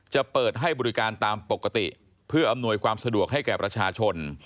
จะเปิดให้บริการตามปกติเพื่ออำนวยความสะดวกให้แก่ประชาชน